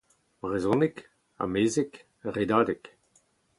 brezhoneg, amezeg, redadeg